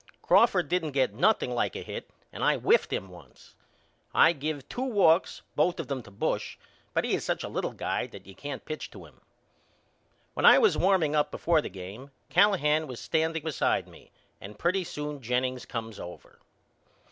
Crawford didn't get nothing like a hit and I whiffed him once. I give two walks both of them to Bush but he is such a little guy that you can't pitch to him. When I was warming up before the game Callahan was standing beside me and pretty soon Jennings come over.